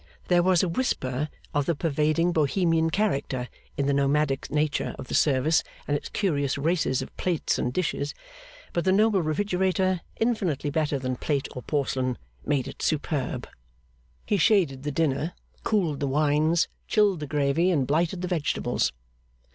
There was a whisper of the pervading Bohemian character in the nomadic nature of the service and its curious races of plates and dishes; but the noble Refrigerator, infinitely better than plate or porcelain, made it superb. He shaded the dinner, cooled the wines, chilled the gravy, and blighted the vegetables.